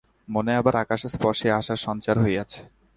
মনে আবার আকাশম্পর্শী আশার সঞ্চার হইয়াছে।